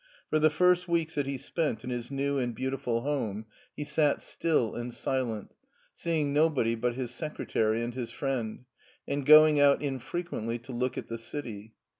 For the first weeks thSit he spent in his new and beautiful home SCHWARZWALD 303 he sat still and silent, seeing nobody but his secretary and his friend, and going out infrequently to look at the city.